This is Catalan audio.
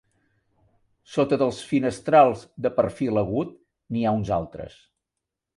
Sota dels finestrals de perfil agut n'hi ha uns altres.